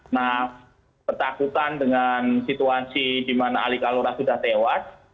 nah ketakutan dengan situasi di mana ali kalora sudah tewas